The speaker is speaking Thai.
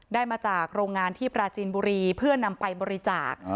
ได้มาจากโรงงานที่ปราจีนบุรีเพื่อนำไปบริจาค